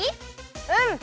うん！